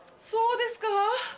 そうですか？